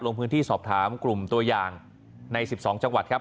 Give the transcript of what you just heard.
ลงพื้นที่สอบถามกลุ่มตัวอย่างใน๑๒จังหวัดครับ